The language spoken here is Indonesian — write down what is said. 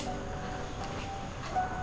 ibu masih di rumah